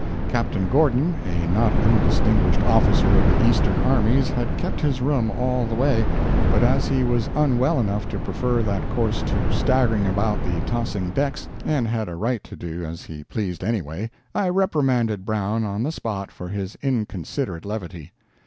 Captain Gordon, a not undistinguished officer of the Eastern armies, had kept his room all the way, but as he was unwell enough to prefer that course to staggering about the tossing decks, and had a right to do as he pleased anyway, I reprimanded Brown on the spot for his inconsiderate levity.